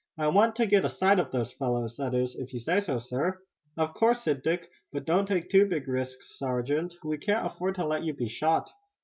I want to get a sight of those fellows, that is, if you say so, sir." "Of course," said Dick, "but don't take too big risks, sergeant. We can't afford to let you be shot."